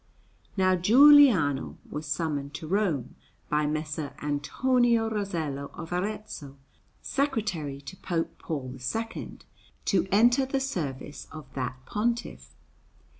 Now Giuliano was summoned to Rome by Messer Antonio Rosello of Arezzo, Secretary to Pope Paul II, to enter the service of that Pontiff.